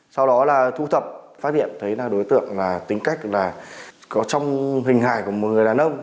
sau đó là thu thập phát hiện thấy là đối tượng là tính cách là có trong hình hài của một người đàn ông